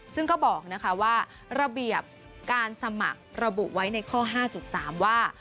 ซึ่งก็บอกนะคะว่าระเบียบการสมัครระบุไว้ในข้อ๕๓ว่า